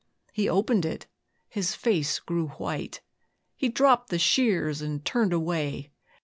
He opened it, his face grew white, He dropped the shears and turned away.